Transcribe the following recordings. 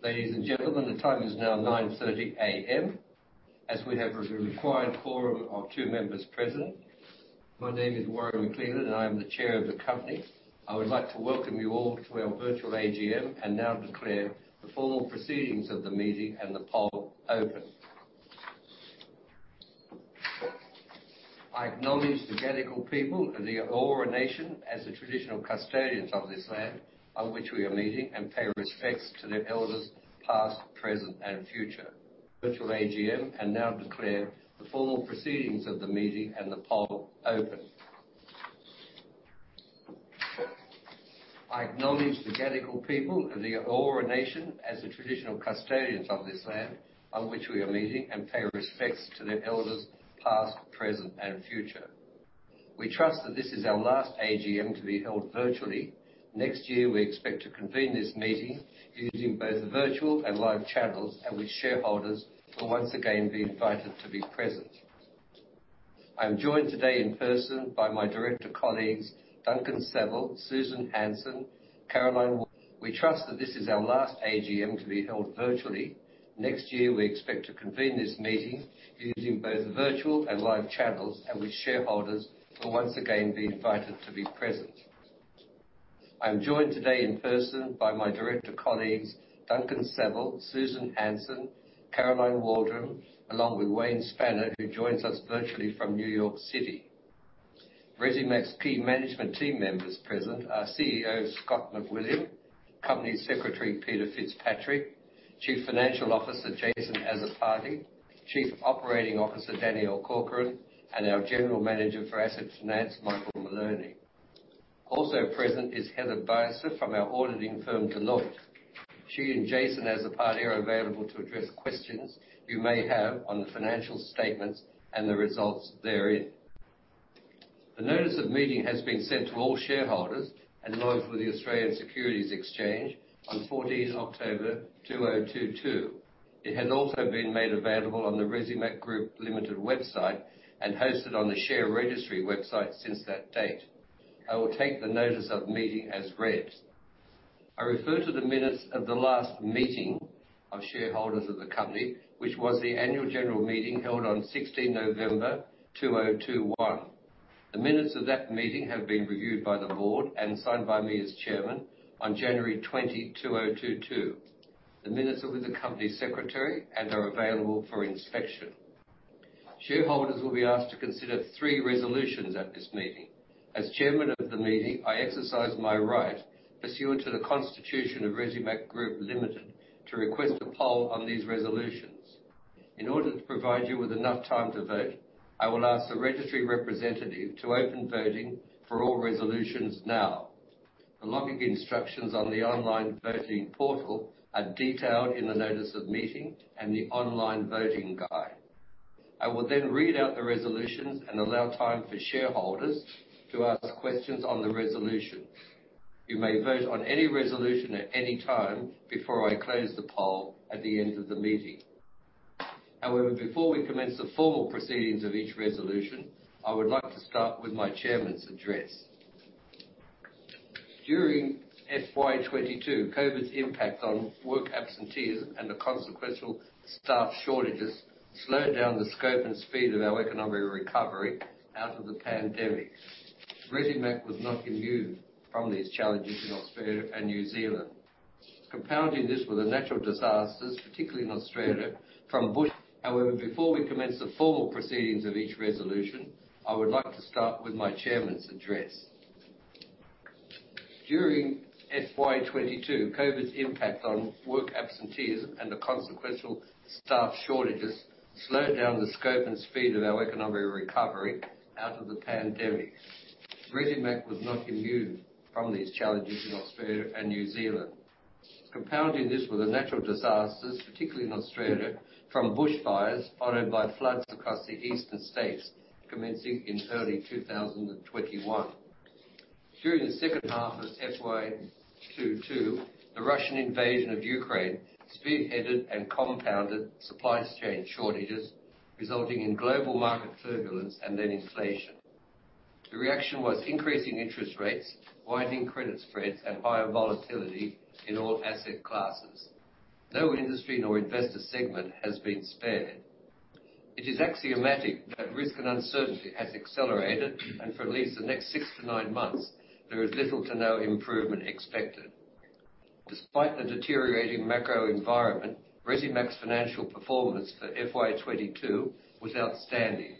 Ladies and gentlemen, the time is now 9:30 A.M. As we have the required quorum of two members present. My name is Warren McLeland, I am the Chair of the company. I would like to welcome you all to our virtual AGM and now declare the formal proceedings of the meeting and the poll open. I acknowledge the Gadigal people of the Eora Nation as the traditional custodians of this land on which we are meeting, and pay respects to their elders, past, present, and future. We trust that this is our last AGM to be held virtually. Next year, we expect to convene this meeting using both virtual and live channels at which shareholders will once again be invited to be present. I'm joined today in person by my director colleagues, Duncan Saville, Susan Hansen, Caroline Waldron, along with Wayne Spanner, who joins us virtually from New York City. Resimac's key management team members present are CEO, Scott McWilliam, Company Secretary, Peter Fitzpatrick, Chief Financial Officer, Jason Azzopardi, Chief Operating Officer, Danielle Corcoran, and our General Manager for Asset Finance, Michael Moloney. Also present is Heather Buser from our auditing firm, Deloitte. She and Jason Azzopardi are available to address questions you may have on the financial statements and the results therein. The notice of meeting has been sent to all shareholders and lodged with the Australian Securities Exchange on 14 October 2022. It has also been made available on the Resimac Group Limited website and hosted on the share registry website since that date. I will take the notice of meeting as read. I refer to the minutes of the last meeting of shareholders of the company, which was the annual general meeting held on 16 November 2021. The minutes of that meeting have been reviewed by the board and signed by me as chairman on January 20, 2022. The minutes are with the company secretary and are available for inspection. Shareholders will be asked to consider three resolutions at this meeting. As chairman of the meeting, I exercise my right pursuant to the constitution of Resimac Group Limited to request a poll on these resolutions. In order to provide you with enough time to vote, I will ask the registry representative to open voting for all resolutions now. The login instructions on the online voting portal are detailed in the notice of meeting and the online voting guide. I will then read out the resolutions and allow time for shareholders to ask questions on the resolution. You may vote on any resolution at any time before I close the poll at the end of the meeting. However, before we commence the formal proceedings of each resolution, I would like to start with my chairman's address. During FY 2022, COVID's impact on work absentees and the consequential staff shortages slowed down the scope and speed of our economic recovery out of the pandemic. Resimac was not immune from these challenges in Australia and New Zealand. Compounding this were the natural disasters, particularly in Australia, from bushfires followed by floods across the eastern states commencing in early 2021. During the second half of FY 2022, the Russian invasion of Ukraine spearheaded and compounded supply chain shortages, resulting in global market turbulence and then inflation. The reaction was increasing interest rates, widening credit spreads, and higher volatility in all asset classes. No industry nor investor segment has been spared. It is axiomatic that risk and uncertainty has accelerated, and for at least the next six to nine months, there is little to no improvement expected. Despite the deteriorating macro environment, Resimac's financial performance for FY 2022 was outstanding.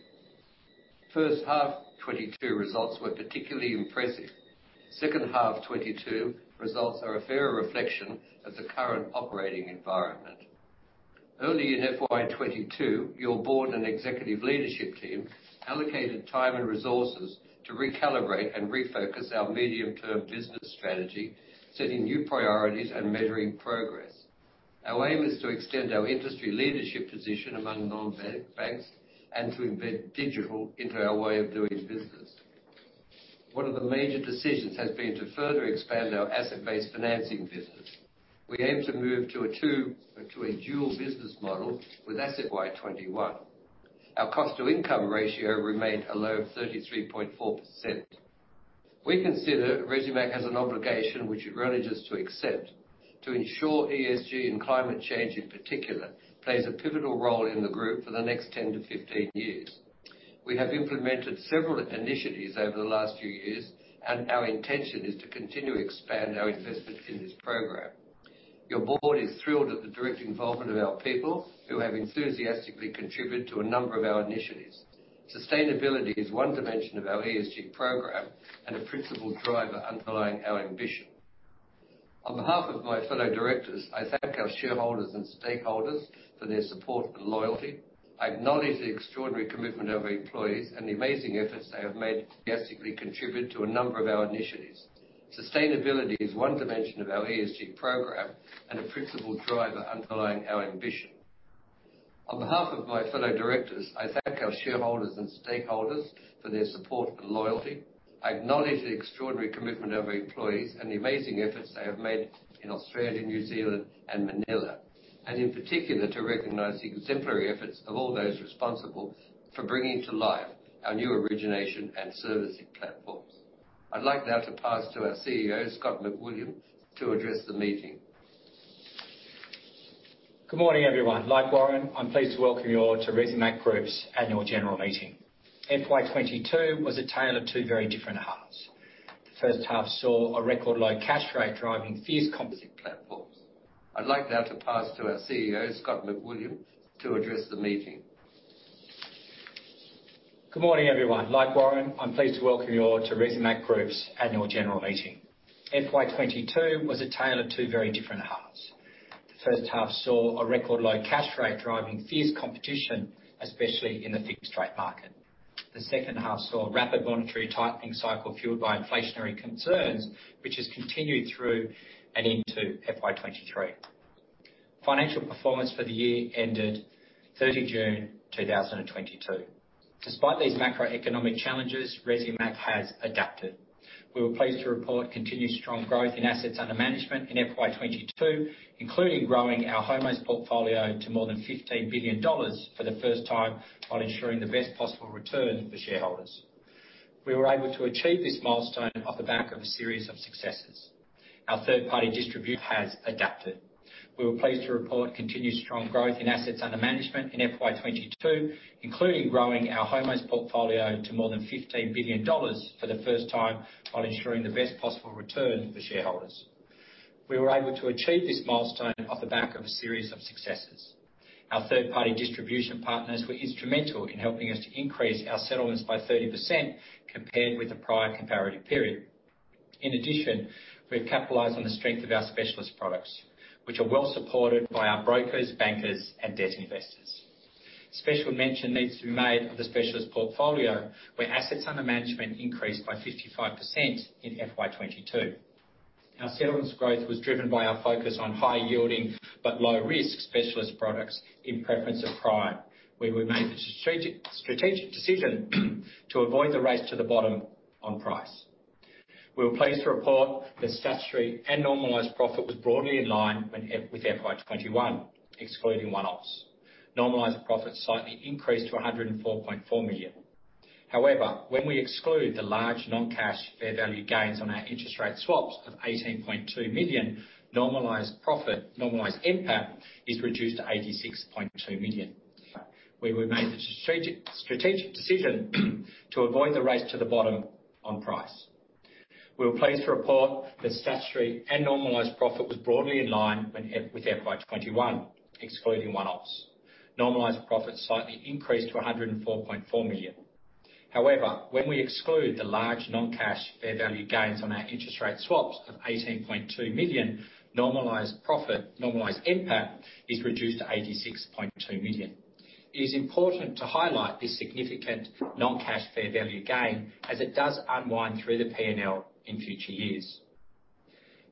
First half 2022 results were particularly impressive. Second half 2022 results are a fairer reflection of the current operating environment. Early in FY 2022, your board and executive leadership team allocated time and resources to recalibrate and refocus our medium-term business strategy, setting new priorities and measuring progress. Our aim is to extend our industry leadership position among non-bank banks and to embed digital into our way of doing business. One of the major decisions has been to further expand our asset-based financing business. We aim to move to a dual business model with Asset Finance. Our cost-to-income ratio remained a low of 33.4%. We consider Resimac has an obligation which it refuses to accept to ensure ESG and climate change, in particular, plays a pivotal role in the group for the next 10 to 15 years. We have implemented several initiatives over the last few years, and our intention is to continue to expand our investment in this program. Your board is thrilled at the direct involvement of our people, who have enthusiastically contributed to a number of our initiatives. Sustainability is one dimension of our ESG program and a principal driver underlying our ambition. On behalf of my fellow directors, I thank our shareholders and stakeholders for their support and loyalty. I acknowledge the extraordinary commitment of our employees and the amazing efforts they have made to enthusiastically contribute to a number of our initiatives. Sustainability is one dimension of our ESG program and a principal driver underlying our ambition. On behalf of my fellow directors, I thank our shareholders and stakeholders for their support and loyalty. I acknowledge the extraordinary commitment of our employees and the amazing efforts they have made in Australia, New Zealand, and Manila. In particular, to recognize the exemplary efforts of all those responsible for bringing to life our new origination and servicing platforms. I'd like now to pass to our CEO, Scott McWilliam, to address the meeting. Good morning, everyone. Like Warren, I'm pleased to welcome you all to Resimac Group's annual general meeting. FY 2022 was a tale of two very different halves. The first half saw a record low cash rate driving fierce competition platforms. I'd like now to pass to our CEO, Scott McWilliam, to address the meeting. Good morning, everyone. Like Warren, I'm pleased to welcome you all to Resimac Group's annual general meeting. FY 2022 was a tale of two very different halves. The first half saw a record low cash rate driving fierce competition, especially in the fixed rate market. The second half saw a rapid monetary tightening cycle fueled by inflationary concerns, which has continued through and into FY 2023. Financial performance for the year ended 30 June 2022. Despite these macroeconomic challenges, Resimac has adapted. third-party distribution partners were instrumental in helping us to increase our settlements by 30% compared with the prior comparative period. In addition, we've capitalized on the strength of our specialist products, which are well-supported by our brokers, bankers, and debt investors. Special mention needs to be made of the specialist portfolio, where assets under management increased by 55% in FY 2022. Our settlements growth was driven by our focus on high yielding but low risk specialist products in preference of prime, where we made the strategic decision to avoid the race to the bottom on price. We were pleased to report that statutory and normalized profit was broadly in line with FY 2021, excluding one-offs. Normalized profits slightly increased to 104.4 million. However, when we exclude the large non-cash fair value gains on our interest rate swaps of 18.2 million, normalized profit, normalized NPAT is reduced to AUD 86.2 million. However, when we exclude the large non-cash fair value gains on our interest rate swaps of 18.2 million, normalized profit, normalized NPAT is reduced to 86.2 million. It is important to highlight this significant non-cash fair value gain as it does unwind through the P&L in future years.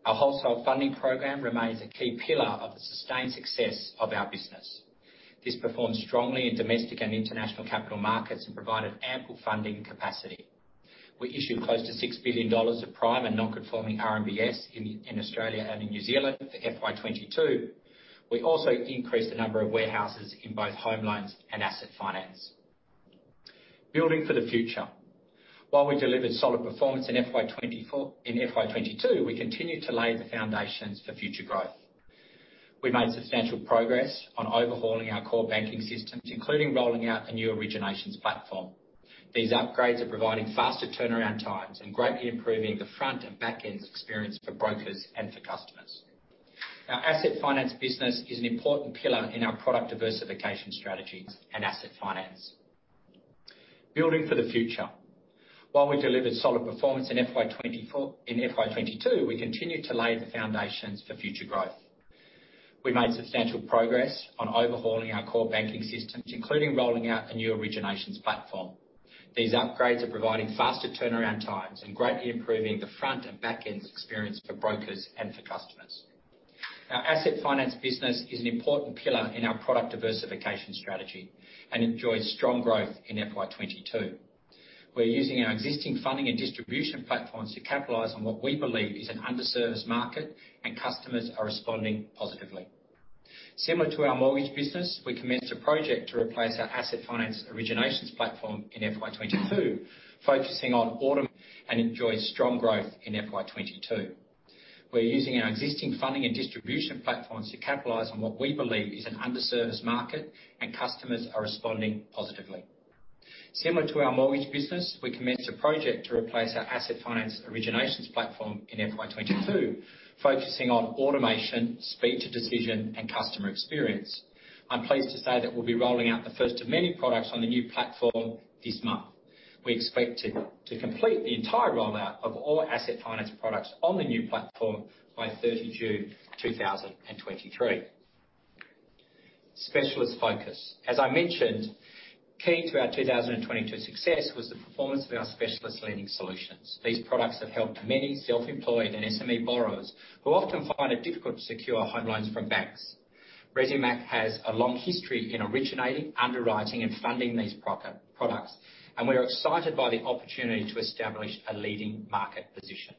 Our wholesale funding program remains a key pillar of the sustained success of our business. This performed strongly in domestic and international capital markets and provided ample funding capacity. We issued close to $6 billion of prime and non-conforming RMBS in Australia and in New Zealand for FY 2022. We also increased the number of warehouses in both home loans and asset finance. Building for the future. While we delivered solid performance in FY 2022, we continued to lay the foundations for future growth. We made substantial progress on overhauling our core banking systems, including rolling out a new originations platform. These upgrades are providing faster turnaround times and greatly improving the front and back-end experience for brokers and for customers. Our Asset Finance business is an important pillar in our product diversification strategy and Asset Finance. Building for the future. While we delivered solid performance in FY 2022, we continued to lay the foundations for future growth. We made substantial progress on overhauling our core banking systems, including rolling out a new originations platform. These upgrades are providing faster turnaround times and greatly improving the front and back-end experience for brokers and for customers. Our Asset Finance business is an important pillar in our product diversification strategy and enjoyed strong growth in FY 2022. We're using our existing funding and distribution platforms to capitalize on what we believe is an underserved market, and customers are responding positively. Similar to our mortgage business, we commenced a project to replace our Asset Finance originations platform in FY 2022, focusing on automation, speed to decision, and customer experience. I'm pleased to say that we'll be rolling out the first of many products on the new platform this month. We expect to complete the entire rollout of all our Asset Finance products on the new platform by 30 June 2023. Specialist focus. As I mentioned, key to our 2022 success was the performance of our specialist lending solutions. These products have helped many self-employed and SME borrowers who often find it difficult to secure home loans from banks. Resimac has a long history in originating, underwriting, and funding these products, and we are excited by the opportunity to establish a leading market position.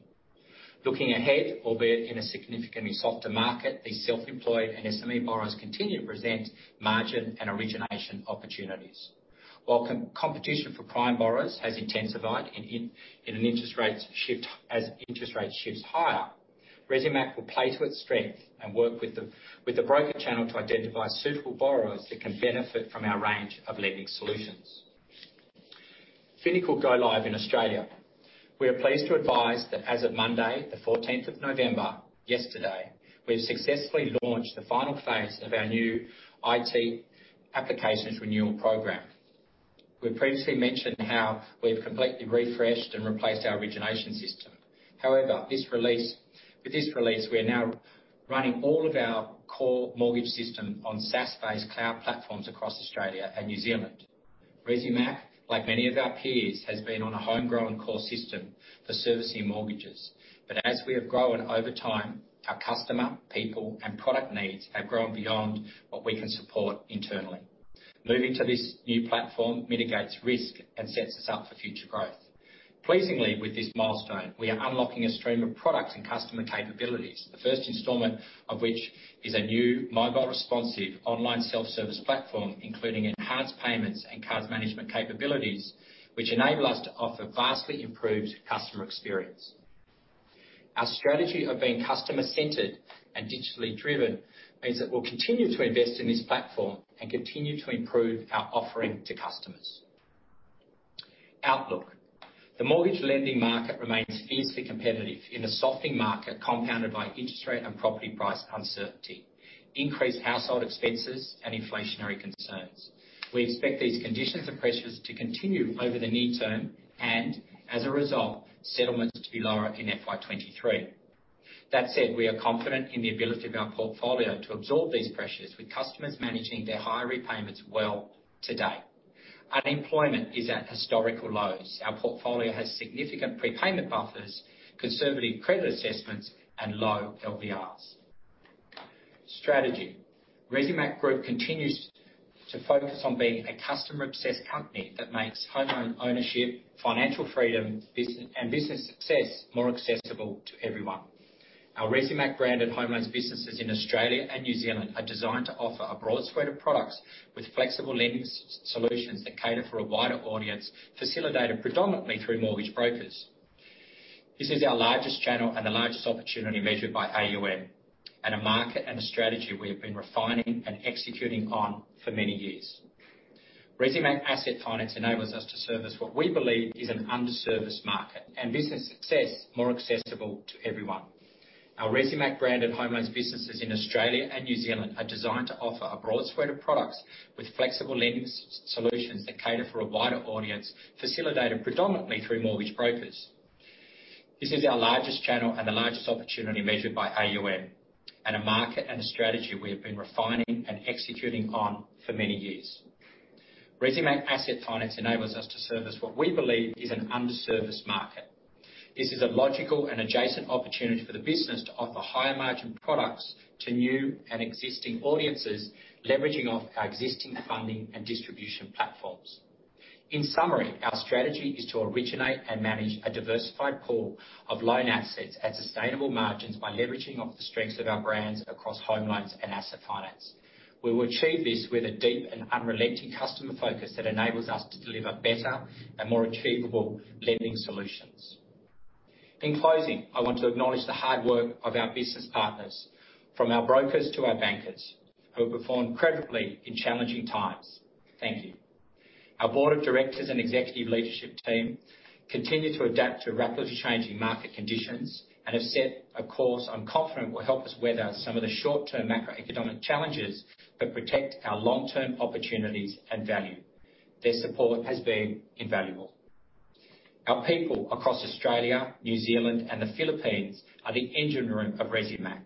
Looking ahead, albeit in a significantly softer market, these self-employed and SME borrowers continue to present margin and origination opportunities. While competition for prime borrowers has intensified in an interest rates shift as interest rates shifts higher, Resimac will play to its strength and work with the broker channel to identify suitable borrowers that can benefit from our range of lending solutions. Finacle go live in Australia. We are pleased to advise that as of Monday, the 14th of November, yesterday, we've successfully launched the final phase of our new IT applications renewal program. We've previously mentioned how we've completely refreshed and replaced our origination system. However, with this release, we are now running all of our core mortgage system on SaaS-based cloud platforms across Australia and New Zealand. Resimac, like many of our peers, has been on a homegrown core system for servicing mortgages. As we have grown over time, our customer, people and product needs have grown beyond what we can support internally. Moving to this new platform mitigates risk and sets us up for future growth. Pleasingly, with this milestone, we are unlocking a stream of products and customer capabilities, the first installment of which is a new mobile-responsive online self-service platform, including enhanced payments and card management capabilities, which enable us to offer vastly improved customer experience. Our strategy of being customer-centered and digitally driven means that we'll continue to invest in this platform and continue to improve our offering to customers. Outlook. The mortgage lending market remains fiercely competitive in a softening market, compounded by interest rate and property price uncertainty, increased household expenses, and inflationary concerns. We expect these conditions and pressures to continue over the near term and, as a result, settlements to be lower in FY 2023. That said, we are confident in the ability of our portfolio to absorb these pressures with customers managing their higher repayments well to date. Unemployment is at historical lows. Our portfolio has significant prepayment buffers, conservative credit assessments, and low LVRs. Strategy. Resimac Group continues to focus on being a customer-obsessed company that makes ownership, financial freedom, and business success more accessible to everyone. Our Resimac branded home loans This is a logical and adjacent opportunity for the business to offer higher margin products to new and existing audiences, leveraging off our existing funding and distribution platforms. In summary, our strategy is to originate and manage a diversified pool of loan assets at sustainable margins by leveraging off the strengths of our brands across home loans and asset finance. We will achieve this with a deep and unrelenting customer focus that enables us to deliver better and more achievable lending solutions. In closing, I want to acknowledge the hard work of our business partners, from our brokers to our bankers, who have performed incredibly in challenging times. Thank you. Our board of directors and executive leadership team continue to adapt to rapidly changing market conditions and have set a course I'm confident will help us weather some of the short-term macroeconomic challenges that protect our long-term opportunities and value. Their support has been invaluable. Our people across Australia, New Zealand, and the Philippines are the engine room of Resimac,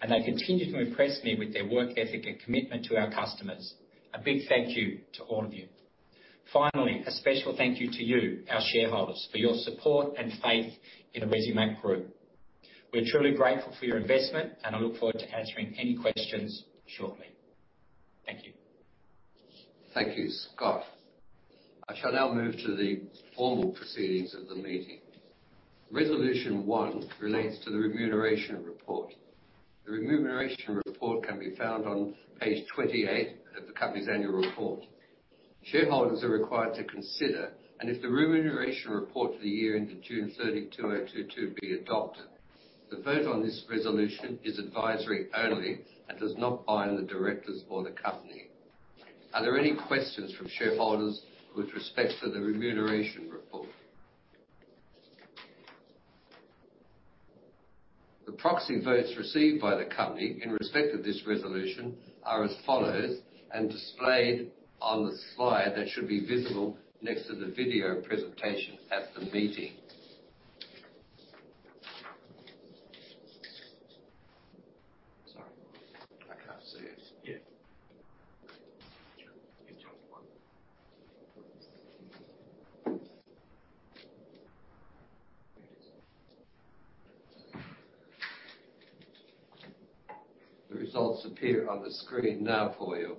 and they continue to impress me with their work ethic and commitment to our customers. A big thank you to all of you. Finally, a special thank you to you, our shareholders, for your support and faith in the Resimac Group. We're truly grateful for your investment, and I look forward to answering any questions shortly. Thank you. Thank you, Scott. I shall now move to the formal proceedings of the meeting. Resolution 1 relates to the remuneration report. The remuneration report can be found on page 28 of the company's annual report. Shareholders are required to consider, and if the remuneration report for the year ended June 30, 2022 be adopted. The vote on this resolution is advisory only and does not bind the directors or the company. Are there any questions from shareholders with respect to the remuneration report? The proxy votes received by the company in respect of this resolution are as follows, and displayed on the slide that should be visible next to the video presentation at the meeting. Sorry, I can't see it. Yeah. The results appear on the screen now for you.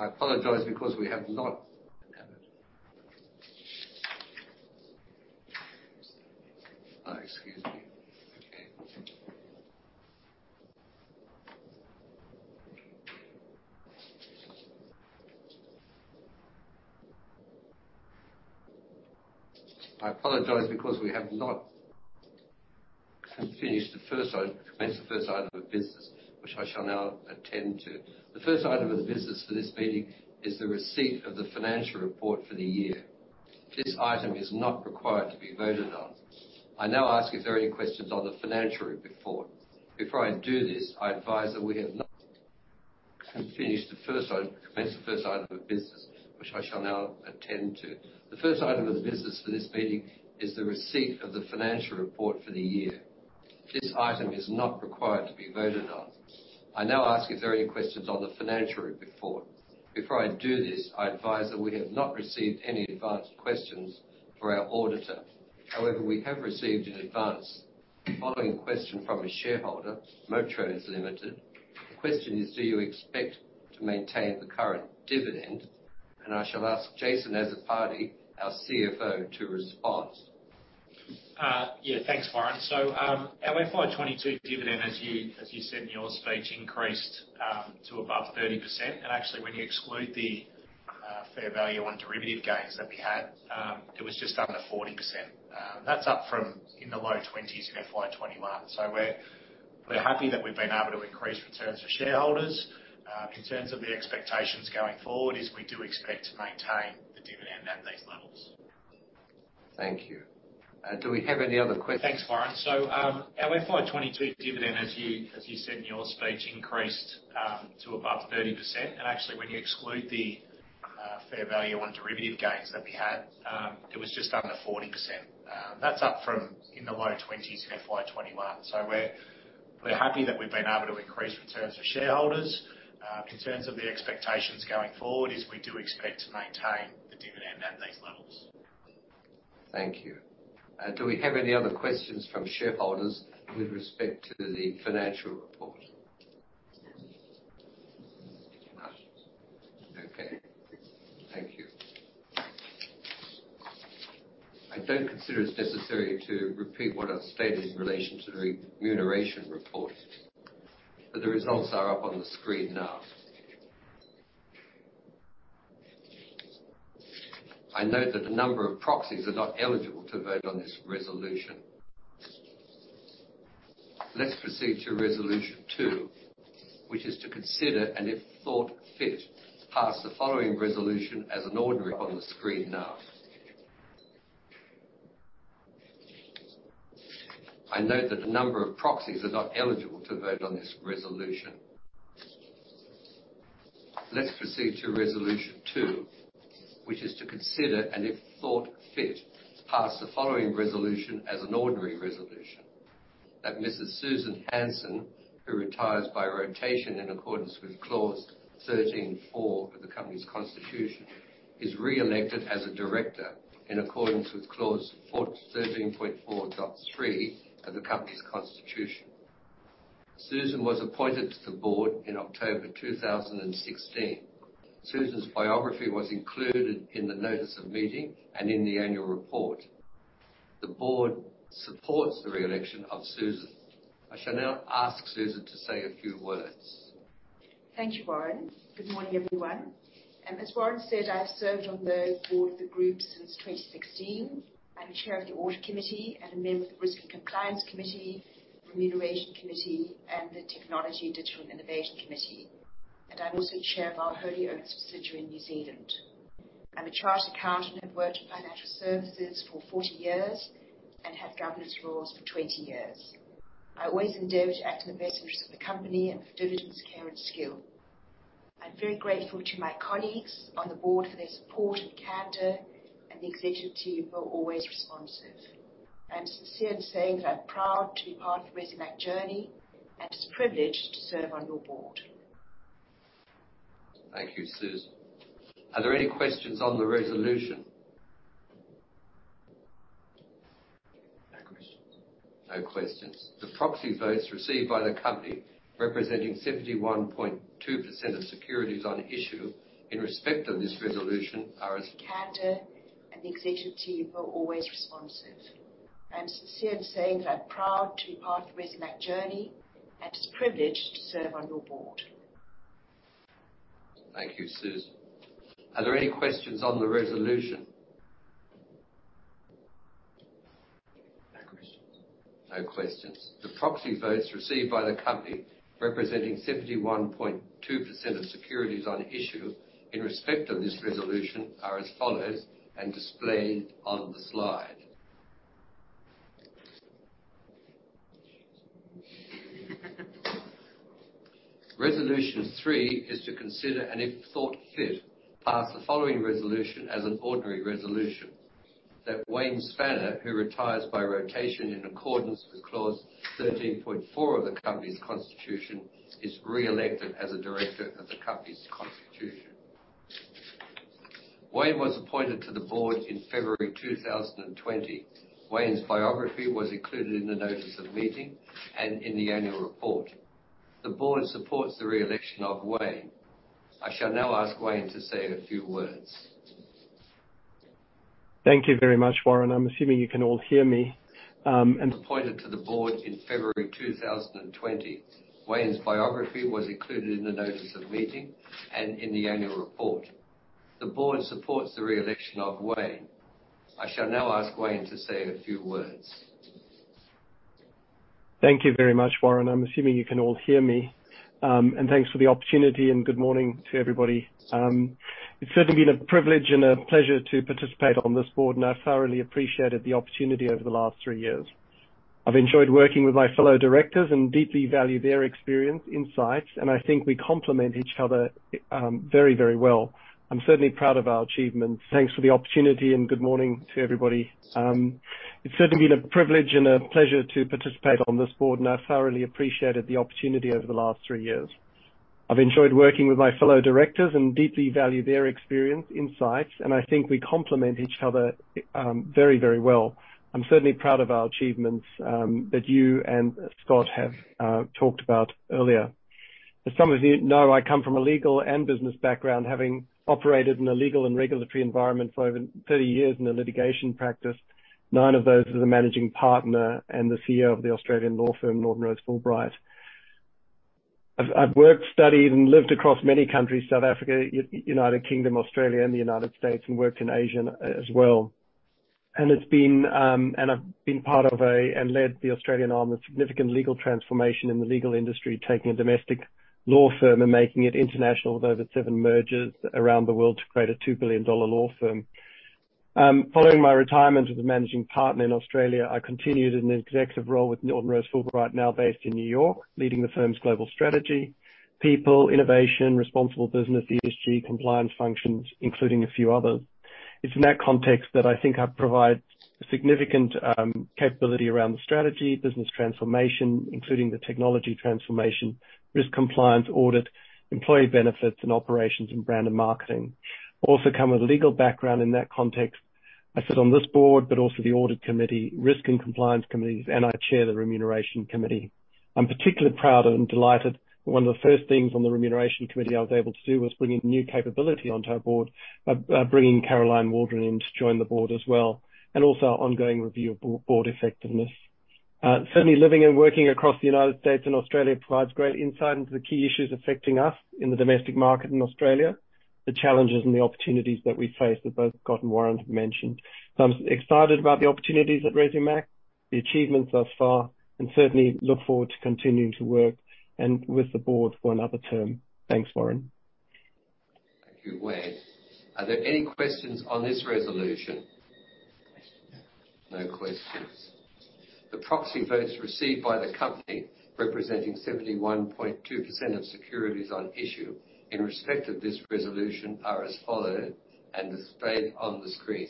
Fine. Thank you. I apologize because we have not finished the first item. Commence the first item of business, which I shall now attend to. The first item of business for this meeting is the receipt of the financial report for the year. This item is not required to be voted on. I now ask if there are any questions on the financial report. Before I do this, I advise that we have not received any advanced questions for our auditor. However, we have received in advance the following question from a shareholder, Motus Pty Ltd. The question is, "Do you expect to maintain the current dividend?" I shall ask Jason Azzopardi, our CFO, to respond. Yeah, thanks, Warren. Our FY 2022 dividend, as you said in your speech, increased to above 30%. Actually, when you exclude the fair value on derivative gains that we had, it was just under 40%. That's up from in the low 20s in FY 2021. We're happy that we've been able to increase returns for shareholders. In terms of the expectations going forward is we do expect to maintain the dividend at these levels. Thank you. Do we have any other questions from shareholders with respect to the financial report? Okay. Thank you. I don't consider it necessary to repeat what I've stated in relation to the remuneration report, but the results are up on the screen now. I note that a number of proxies are not eligible to vote on this resolution. Let's proceed to resolution two, which is to consider, and if thought fit, pass the following resolution as an ordinary resolution on the screen now, that Mrs. Susan Hansen, who retires by rotation in accordance with Clause 13.4 of the company's constitution, is re-elected as a director in accordance with Clause 13.4.3 of the company's constitution. Susan was appointed to the board in October 2016. Susan's biography was included in the notice of meeting and in the annual report. The board supports the reelection of Susan. I shall now ask Susan to say a few words. Thank you, Warren. Good morning, everyone. As Warren said, I have served on the board of the group since 2016. I'm chair of the audit committee and a member of the risk and compliance committee, remuneration committee, and the technology digital innovation committee. I'm also chair of our wholly-owned subsidiary in New Zealand. I'm a chartered accountant and worked in financial services for 40 years and have governance roles for 20 years. I always endeavor to act in the best interest of the company and with diligence, care and skill. I'm very grateful to my colleagues on the board for their support and candor, and the executive team are always responsive. I am sincere in saying that I'm proud to be part of Resimac journey and is privileged to serve on your board. Thank you, Suz. Are there any questions on the resolution? No questions. No questions. The proxy votes received by the company representing 71.2% of securities on issue in respect of this resolution are as The executive team are always responsive. I am sincere in saying that I'm proud to be part of Resimac journey and is privileged to serve on your board. Thank you, Suz. Are there any questions on the resolution? No questions. No questions. The proxy votes received by the company representing 71.2% of securities on issue in respect of this resolution are as follows and displayed on the slide. Resolution three is to consider, and if thought fit, pass the following resolution as an ordinary resolution that Wayne Spanner, who retires by rotation in accordance with clause 13.4 of the company's constitution, is re-elected as a director of the company's constitution. Wayne was appointed to the board in February 2020. Wayne's biography was included in the notice of meeting and in the annual report. The board supports the re-election of Wayne. I shall now ask Wayne to say a few words. Thank you very much, Warren. I'm assuming you can all hear me. Appointed to the board in February 2020. Wayne's biography was included in the notice of meeting and in the annual report. The board supports the re-election of Wayne. I shall now ask Wayne to say a few words. Thank you very much, Warren. I'm assuming you can all hear me. Thanks for the opportunity, and good morning to everybody. It's certainly been a privilege and a pleasure to participate on this board, and I've thoroughly appreciated the opportunity over the last three years. I've enjoyed working with my fellow directors and deeply value their experience, insights, and I think we complement each other, very, very well. I'm certainly proud of our achievements. I'm certainly proud of our achievements that you and Scott have talked about earlier. As some of you know, I come from a legal and business background, having operated in a legal and regulatory environment for over 30 years in a litigation practice. Nine of those as a managing partner and the CEO of the Australian law firm, Norton Rose Fulbright. I've worked, studied, and lived across many countries, South Africa, United Kingdom, Australia, and the United States, and worked in Asia as well. I've been part of and led the Australian arm of significant legal transformation in the legal industry, taking a domestic law firm and making it international with over seven mergers around the world to create a $2 billion law firm. Following my retirement as a managing partner in Australia, I continued in an executive role with Norton Rose Fulbright, now based in New York, leading the firm's global strategy, people, innovation, responsible business, ESG, compliance functions, including a few others. It's in that context that I think I provide significant capability around the strategy, business transformation, including the technology transformation, risk compliance, audit, employee benefits and operations in brand and marketing. Also come with a legal background in that context. I sit on this board, but also the audit committee, risk and compliance committees, and I chair the remuneration committee. I'm particularly proud and delighted that one of the first things on the remuneration committee I was able to do was bring in new capability onto our board by bringing Caroline Waldron in to join the board as well, and also our ongoing review of board effectiveness. Certainly living and working across the United States and Australia provides great insight into the key issues affecting us in the domestic market in Australia, the challenges and the opportunities that we face that both Scott and Warren mentioned. I'm excited about the opportunities at Resimac, the achievements thus far, and certainly look forward to continuing to work with the board for another term. Thanks, Warren. Thank you, Wayne. Are there any questions on this resolution? No questions. No questions. The proxy votes received by the company representing 71.2% of securities on issue in respect of this resolution are as follows and displayed on the screen.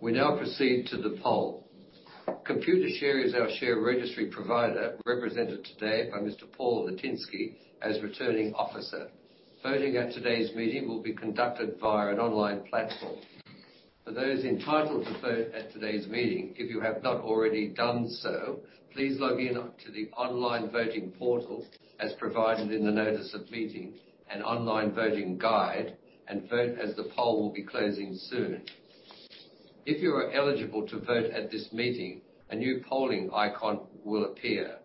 We now proceed to the poll. Computershare is our share registry provider, represented today by Mr. Paul Latinski as Returning Officer. Voting at today's meeting will be conducted via an online platform. For those entitled to vote at today's meeting, if you have not already done so, please log in to the online voting portal as provided in the notice of meeting and online voting guide and vote as the poll will be closing soon. If you are eligible to vote at this meeting, a new polling icon will appear.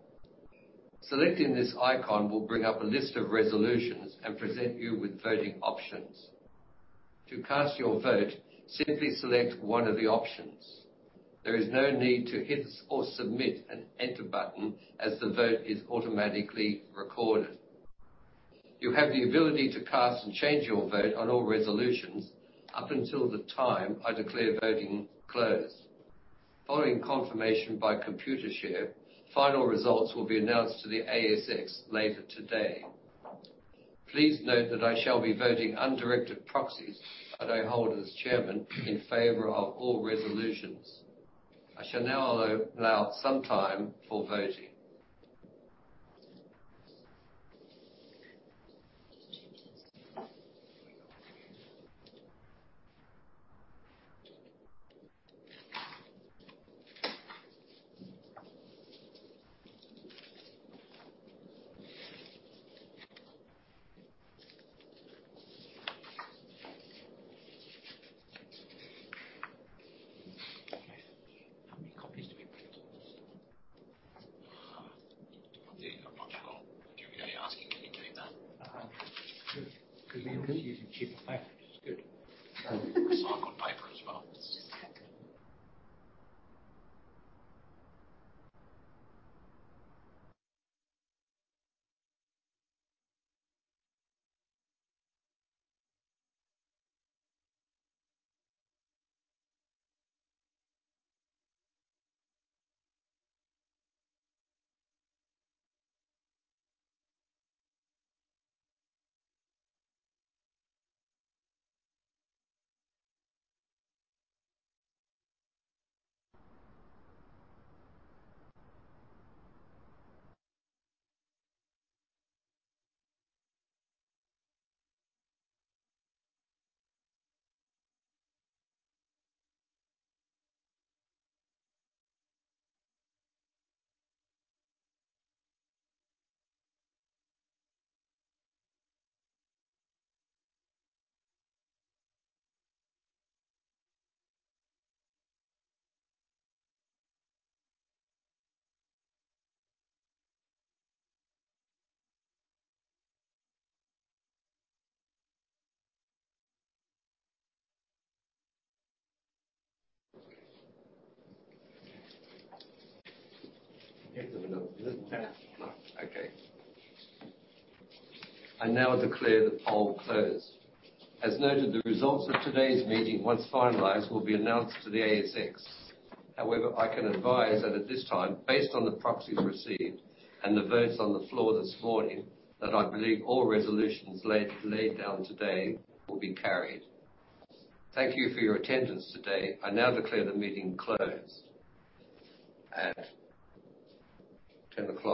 Selecting this icon will bring up a list of resolutions and present you with voting options. To cast your vote, simply select one of the options. There is no need to hit or submit an enter button as the vote is automatically recorded. You have the ability to cast and change your vote on all resolutions up until the time I declare voting closed. Following confirmation by computershare, final results will be announced to the ASX later today. Please note that I shall be voting undirected proxies that I hold as chairman in favor of all resolutions. I shall now allow some time for voting. How many copies do we print? I'm not sure. Jimmy, are you asking? Can you take that? Good. We'll be using cheaper paper. It's good. Recycled paper as well. It's good. I now declare the poll closed. As noted, the results of today's meeting, once finalized, will be announced to the ASX. However, I can advise that at this time, based on the proxies received and the votes on the floor this morning, that I believe all resolutions laid down today will be carried. Thank you for your attendance today. I now declare the meeting closed at 10:00 A.M.